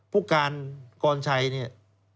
ผู้การกรชัยเนี่ย